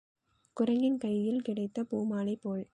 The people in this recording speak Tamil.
குரங்கின் கையில் கிடைத்த பூமாலை போல்.